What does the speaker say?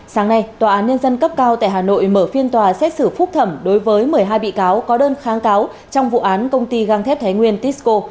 sáng nay tòa án nhân dân cấp cao tại hà nội mở phiên tòa xét xử phúc thẩm đối với một mươi hai bị cáo có đơn kháng cáo trong vụ án công ty găng thép thái nguyên tisco